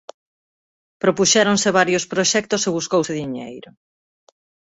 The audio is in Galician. Propuxéronse varios proxectos e buscouse diñeiro.